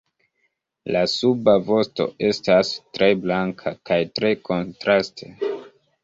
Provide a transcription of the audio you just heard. La suba vosto estas tre blanka kaj tre kontraste.